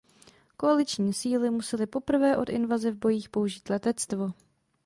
Koaliční síly musely poprvé od invaze v bojích použít letectvo.